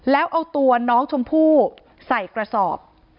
แล้วเอาตัวน้องชมพู่ใส่กระสอบ